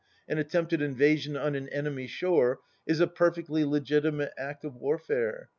An attempted invasion on an enemy shore is a perfectly legitimate act of warfare.